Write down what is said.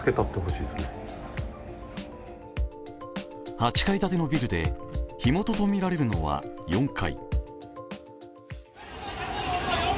８階建てのビルで、火元とみられるのは４階。